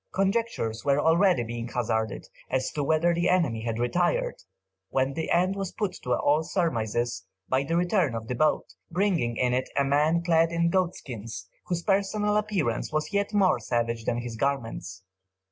Conjectures were already being hazarded as to whether the enemy had retired, when the end was put to all surmises by the return of the boat, bringing in it a man clad in goatskins, whose personal appearance was yet more savage than his garments.